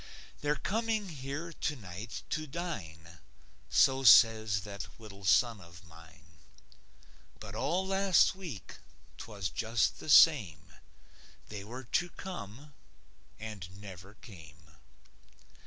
They're coming here tonight to dine, So says that little son of mine. But all last week, 'twas just the same; They were to come, and never came.